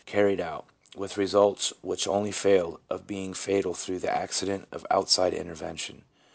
249 carried out, with results which only failed of being fatal through the accident of outside intervention."